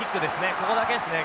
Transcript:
ここだけですね